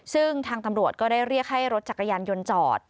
ซึ่งทางตำรวจก็ได้เรียกให้รถจักรยานยนต์จอด